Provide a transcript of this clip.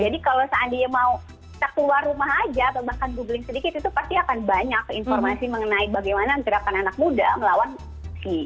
jadi kalau seandainya mau keluar rumah aja bahkan googling sedikit itu pasti akan banyak informasi mengenai bagaimana gerakan anak muda melawan si gitu